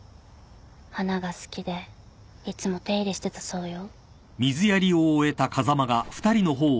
花が好きでいつも手入れしてたそうよ。